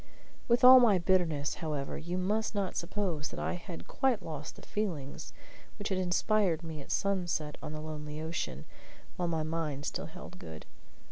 With all my bitterness, however, you must not suppose that I had quite lost the feelings which had inspired me at sunset on the lonely ocean, while my mind still held good.